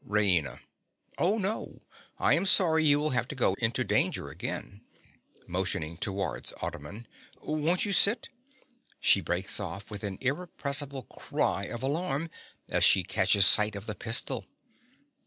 RAINA. Oh, no: I am sorry you will have to go into danger again. (Motioning towards ottoman.) Won't you sit—(_She breaks off with an irrepressible cry of alarm as she catches sight of the pistol.